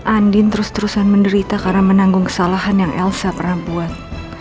andin terus terusan menderita karena menanggung kesalahan yang elsa pernah buat